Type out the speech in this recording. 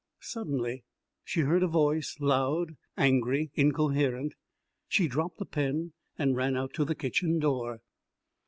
Suddenly she heard a voice, loud, angry, incoherent. She dropped the pen and ran out to the kitchen door.